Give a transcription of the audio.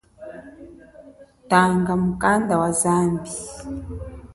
Tanga mukanda wa zambi.